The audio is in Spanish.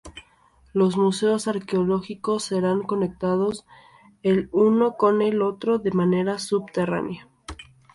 Los museos arqueológicos serán conectados el uno con el otro de manera subterránea.